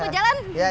udah aku jalan